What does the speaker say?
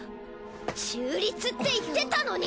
中立って言ってたのに！